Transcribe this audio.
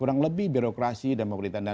kurang lebih birokrasi dan pemerintahan